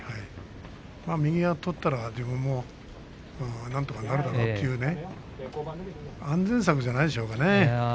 左を取ったら自分もなんとかなるだろうということで安全策でないでしょうかね。